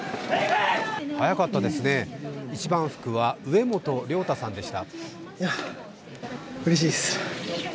速かったですね、一番福は植本亮太さんでした。